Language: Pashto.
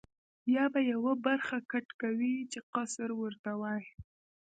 یا به یوه برخه کټ کوې چې قصر ورته وایي.